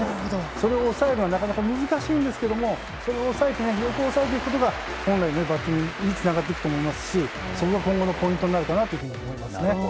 それを抑えるのがなかなか難しいんですけどそれを抑えていくことが本来のバッティングにつなっていくと思いますしそれが今後のポイントになるかと思います。